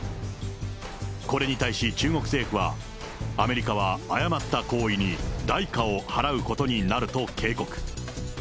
これに対し中国政府は、アメリカは誤った行為に代価を払うことになると警告。